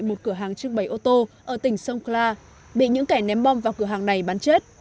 một cửa hàng trưng bày ô tô ở tỉnh songkhla bị những kẻ ném bom vào cửa hàng này bắn chết